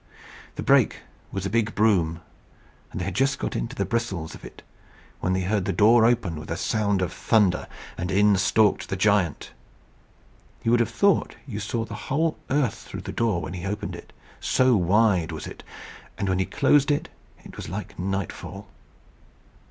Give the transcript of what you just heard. The brake was a big broom; and they had just got into the bristles of it when they heard the door open with a sound of thunder, and in stalked the giant. You would have thought you saw the whole earth through the door when he opened it, so wide was it; and when he closed it, it was like nightfall.